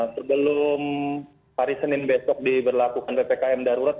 sebelum hari senin besok diberlakukan ppkm the road